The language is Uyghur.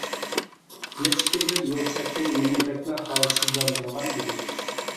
نەچچە كۈنلۈك يول سەپىرى مېنى بەكلا ھالسىزلاندۇرغان ئىدى.